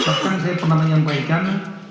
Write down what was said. bahkan saya pernah menyampaikan